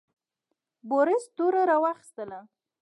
بوریس توره راواخیستله.